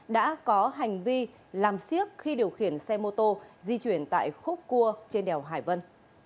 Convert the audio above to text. đã có hành vi làm siếc khi điều khiển xe mô tô di chuyển tại khúc cua trên đèo hải vân